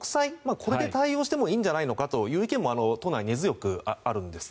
これで対応してもいいんじゃないかという意見も党内に根強くあるんです。